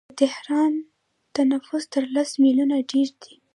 د تهران نفوس تر لس میلیونه ډیر دی.